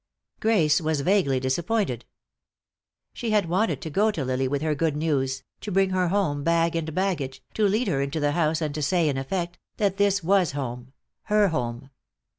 Grace was vaguely disappointed. She had wanted to go to Lily with her good news, to bring her home bag and baggage, to lead her into the house and to say, in effect, that this was home, her home.